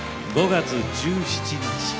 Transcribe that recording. ５月１７日。